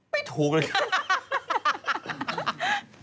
ไม่ถูกเลย